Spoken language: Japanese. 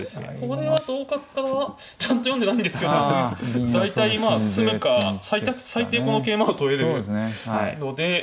これは同角からちゃんと読んでないんですけど大体まあ詰むか最低この桂馬を取れるので。